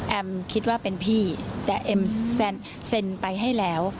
คิดว่าเป็นพี่แต่เอ็มเซ็นไปให้แล้ว